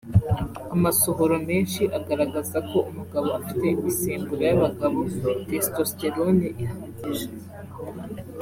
Amasohoro menshi agaragaza ko umugabo afite imisemburo y’abagabo (testosterone) ihagije